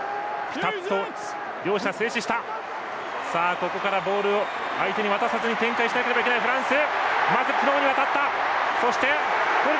ここからは相手に渡さずに展開しなければいけないフランス。